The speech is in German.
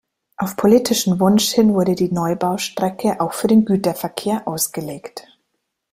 Auf politischen Wunsch hin wurde die Neubaustrecke auch für den Güterverkehr ausgelegt.